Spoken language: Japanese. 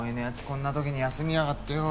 こんな時に休みやがってよ。